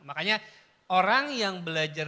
makanya orang yang belajar